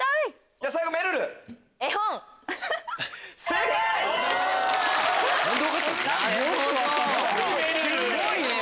すごいね！